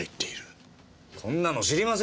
こんなの知りませんよ。